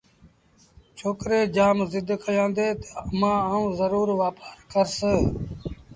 ڇوڪري جآم زد ڪيآݩدي تا امآݩ آئوݩ زرور وآپآر ڪرس